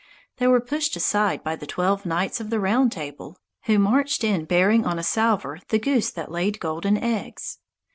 They were pushed aside by the twelve knights of the Round Table, who marched in bearing on a salver the goose that laid golden eggs.